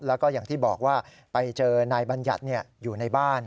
แล้วก็อย่างที่บอกว่าไปเจอนายบัญญัติอยู่ในบ้าน